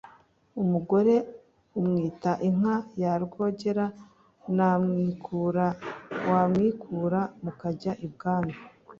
umugore umwita inka ya rwogera wamwikura wamwikura mukajya i bwami